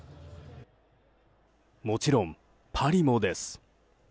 もちろんパリもです。